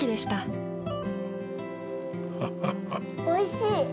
おいしい。